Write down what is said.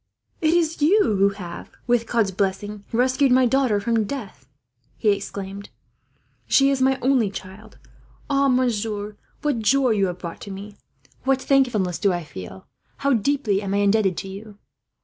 "It is you who have, with God's blessing, rescued my daughter from death," he exclaimed. "She is my only child. Oh, monsieur, what joy have you brought to me, what thankfulness do I feel, how deeply am I indebted to you!